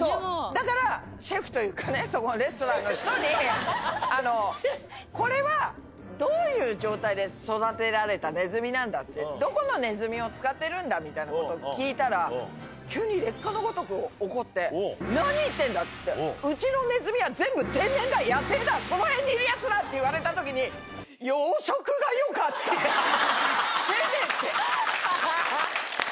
だから、シェフというかね、そこのレストランの人に、これはどういう状態で育てられたネズミなんだって、どこのネズミを使ってるんだみたいなことを聞いたら、急に烈火のごとく怒って、何言ってんだって言って、うちのネズミは全部、天然だ、野生だ、その辺にいるやつだって言われたときに、養殖がよかった、せめて。